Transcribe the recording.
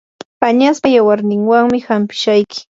añaspa yawarninwanmi hanpishayki.